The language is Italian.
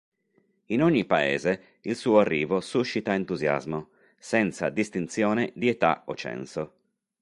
In ogni paese il suo arrivo suscita entusiasmo, senza distinzione di età o censo.